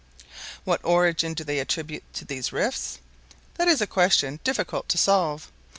What origin do they attribute to these rifts? That is a question difficult to solve.